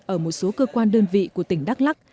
ở một số cơ quan đơn vị của tỉnh đắk lắc